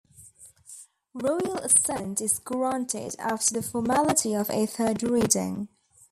Royal assent is granted after the formality of a third reading.